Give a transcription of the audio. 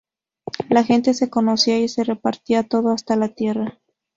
La gente se conocía y se repartía todo, hasta la tierra.